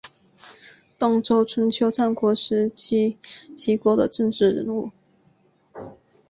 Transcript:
东周春秋战国时期齐国的政治人物。